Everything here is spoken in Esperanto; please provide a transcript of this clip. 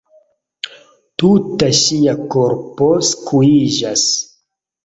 Tuta ŝia korpo skuiĝas.